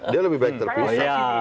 dia lebih baik terpisah